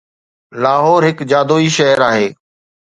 لاهور هڪ جادوئي شهر آهي.